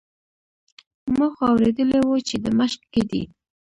ما خو اورېدلي وو چې د مشق کې دی.